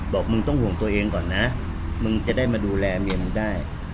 บอกมึงต้องห่วงตัวเองก่อนนะมึงจะได้มาดูแลเมียมึงได้